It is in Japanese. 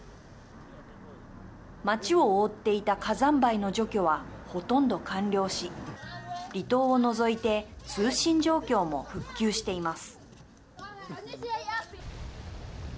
町を覆っていた火山灰の除去はほとんど完了し離島を除いて通信状況も復旧しています。